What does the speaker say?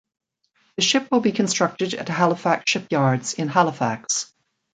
The ship will be constructed at Halifax Shipyards in Halifax.